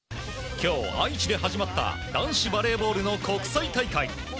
今日、愛知で始まった男子バレーボールの国際大会。